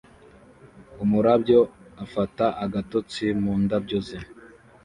Umurabyo afata agatotsi mu ndabyo ze